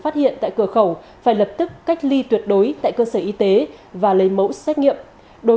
phát hiện tại cửa khẩu phải lập tức cách ly tuyệt đối tại cơ sở y tế và lấy mẫu xét nghiệm đối